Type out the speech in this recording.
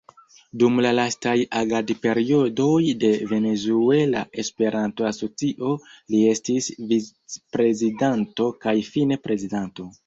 Dum la lastaj agad-periodoj de Venezuela Esperanto-Asocio li estis vicprezidanto kaj fine Prezidanto.